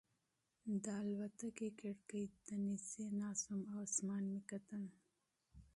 د الوتکې کړکۍ ته نږدې ناست وم او اسمان مې کتل.